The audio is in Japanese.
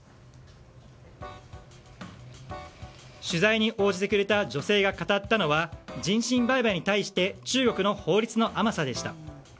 取材に応じてくれた女性が語ったのは人身売買に対して中国の法律の甘さでした。